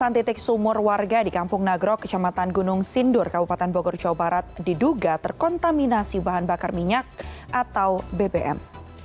delapan titik sumur warga di kampung nagro kecamatan gunung sindur kabupaten bogor jawa barat diduga terkontaminasi bahan bakar minyak atau bbm